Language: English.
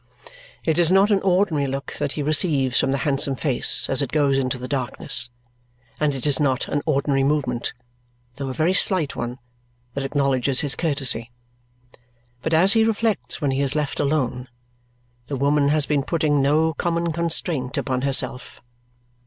It is not an ordinary look that he receives from the handsome face as it goes into the darkness, and it is not an ordinary movement, though a very slight one, that acknowledges his courtesy. But as he reflects when he is left alone, the woman has been putting no common constraint upon herself.